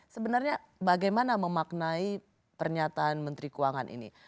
sebenarnya bagaimana memaknai pernyataan menteri keuangan ini